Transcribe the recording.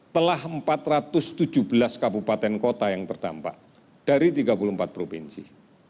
telah empat ratus tujuh belas kabupaten kota yang terdampak dari tiga puluh empat provinsi